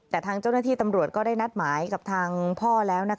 แต่ทางเจ้าหน้าที่ตำรวจก็ได้นัดหมายกับทางพ่อแล้ว